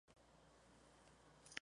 Se ve amenazada por la deforestación.